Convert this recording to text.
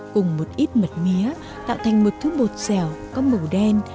cùng một ít mật mía tạo thành một thứ bột dẻo có màu đen